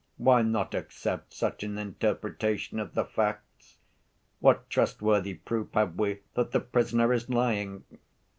Why not accept such an interpretation of the facts? What trustworthy proof have we that the prisoner is lying?